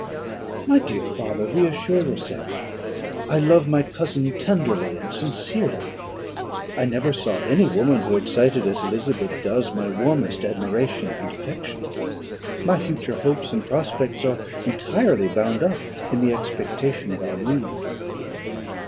"My dear father, reassure yourself. I love my cousin tenderly and sincerely. I never saw any woman who excited, as Elizabeth does, my warmest admiration and affection. My future hopes and prospects are entirely bound up in the expectation of our union."